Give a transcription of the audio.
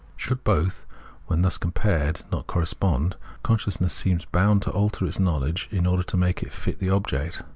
Should both, when thus compared, not cor respond, consciousness seems bound to alter its know ledge, in order to make it fit the object.